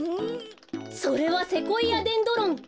それはセコイアデンドロン。